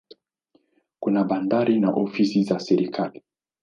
Kuna bandari na ofisi za serikali.